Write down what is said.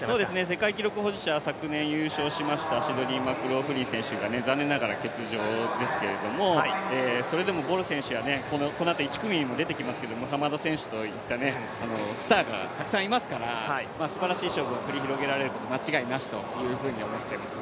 世界記録保持者、昨年優勝しましたシドニー・マクローフリン選手が残念ながら欠場ですけど、それでもムハマド選手といったスターがたくさんいますからすばらしい勝負が繰り広げられること間違いなしと思っています。